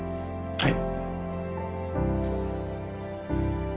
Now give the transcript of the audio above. はい。